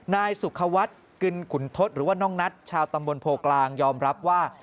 นายสุขวัฒน์กึนขุนทศหรือว่าน้องนัทชาวตำบลโพกลางยอมรับว่า